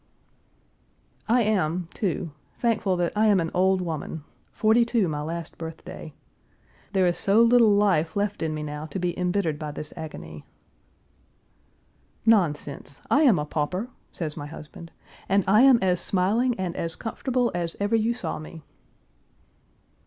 I am, too, thankful that I am an old woman, forty two my last birthday. There is so little life left in me now to be embittered by this agony. "Nonsense! I am a pauper," says my husband, "and I am as smiling and as comfortable as ever you saw me."